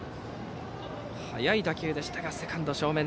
速い打球でしたがセカンド正面。